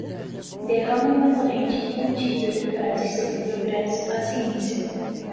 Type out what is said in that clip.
derrama uma torrente incontível de frases sobre o progresso, a ciência